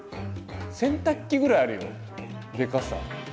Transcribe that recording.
洗濯機ぐらいあるよでかさ。